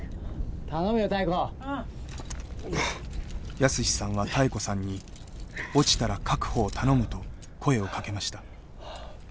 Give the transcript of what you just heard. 泰史さんは妙子さんに「落ちたら確保を頼む」と声をかけました。